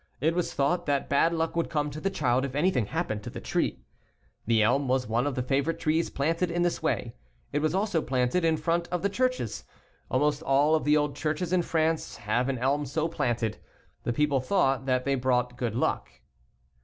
It was thought that bad luck would come to the child if anything happened to the tree. The elm was one of the favorite trees planted in this way. It was also planted in front of the churches. Almost all of the old churches in France have an elm so planted. The people thought that they brought good luck.